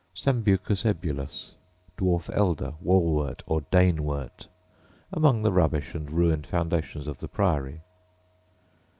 Sambucus ebulus, dwarf elder, walwort, or danewort, — among the rubbish and ruined foundations of the Priory.